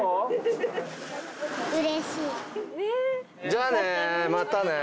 じゃあね。